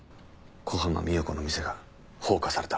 小浜三代子の店が放火された。